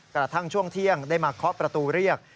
กดด้านช่วงเที่ยงได้มาเข้าประตูเรียก